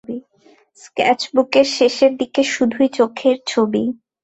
Sketch বুকের শেষের দিকে শুধুই চোখের ছবি।